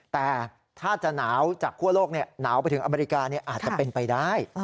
แต่ถ้าจะหนาวจากคั่วโลกหนาวไปถึงอเมริกาอาจจะเป็นไปได้